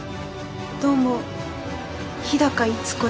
どうも日高逸子です。